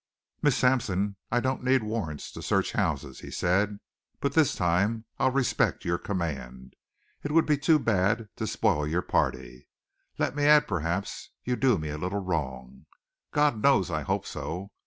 "Miss Sampson, I don't need warrants to search houses," he said. "But this time I'll respect your command. It would be too bad to spoil your party. Let me add, perhaps you do me a little wrong. God knows I hope so.